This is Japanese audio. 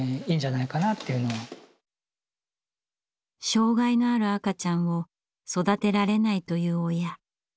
障害のある赤ちゃんを育てられないという親。